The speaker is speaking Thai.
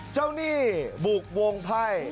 เจ้านี่บุกวงไพ่